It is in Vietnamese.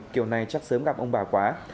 kiểu này chắc sớm gặp ông bà quá